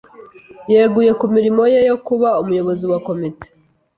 Yeguye ku mirimo ye yo kuba umuyobozi wa komite.